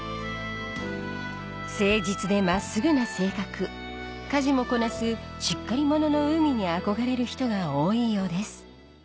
誠実で真っすぐな性格家事もこなすしっかり者の海に憧れる人が多いようです